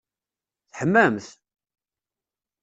Teḥmamt!